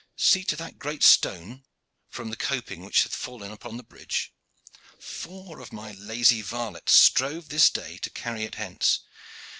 See to that great stone from the coping which hath fallen upon the bridge. Four of my lazy varlets strove this day to carry it hence.